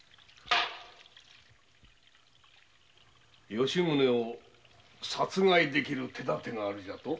吉宗を殺害できる手だてがあると？